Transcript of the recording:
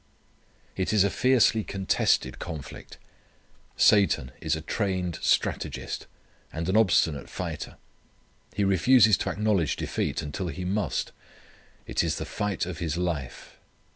It is a fiercely contested conflict. Satan is a trained strategist, and an obstinate fighter. He refuses to acknowledge defeat until he must. It is the fight of his life.